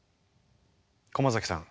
駒崎さん